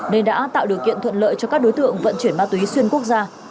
nên đã tạo điều kiện thuận lợi cho các đối tượng vận chuyển ma túy xuyên quốc gia